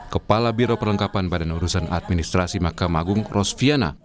kepala biro perlengkapan badan urusan administrasi makam agung ros viana